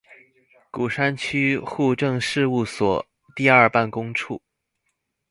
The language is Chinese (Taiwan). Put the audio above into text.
鼓山區戶政事務所第二辦公處